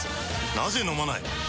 なぜ飲まない？